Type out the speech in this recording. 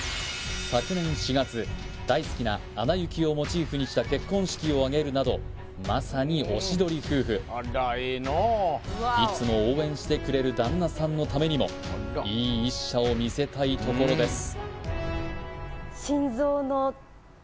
昨年４月大好きな「アナ雪」をモチーフにした結婚式を挙げるなどまさにおしどり夫婦いつも応援してくれる旦那さんのためにもいい１射を見せたいところです